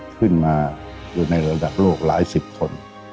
ขึ้นมาอยู่ในระดับโลกหลายสิบคน